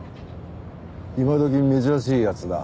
今どき珍しい奴だ